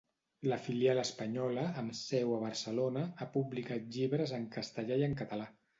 La filial espanyola, amb seu a Barcelona, ha publicat llibres en castellà i en català.